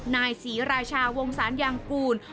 นายศรีราชาวงศาลยางกูล